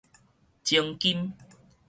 精金